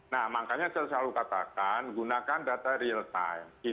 nah makanya saya selalu katakan gunakan data real time